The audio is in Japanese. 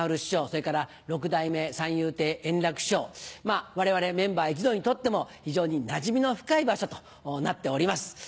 それから六代目三遊亭円楽師匠我々メンバー一同にとっても非常になじみの深い場所となっております。